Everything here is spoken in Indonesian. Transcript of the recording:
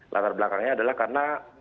latar belakangnya adalah karena